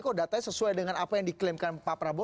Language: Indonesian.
kok datanya sesuai dengan apa yang diklaimkan pak prabowo